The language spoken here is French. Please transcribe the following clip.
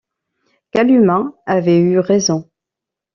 Kalumah avait eu raison.